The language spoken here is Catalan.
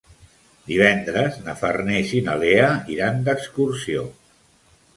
Divendres na Farners i na Lea iran d'excursió.